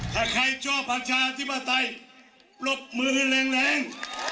ถ้าใครชอบประชาธิปไตยปรบมือให้แรง